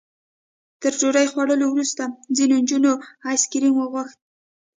تر ډوډۍ خوړلو وروسته ځینو نجونو ایس کریم وغوښت.